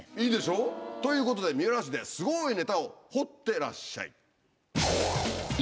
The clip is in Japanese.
いいでしょ？ということで三浦市ですごいネタを掘ってらっしゃい。